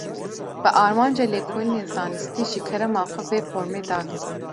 Bi armanca lêkolînên zanistî, ji kerema xwe, vê formê dagirin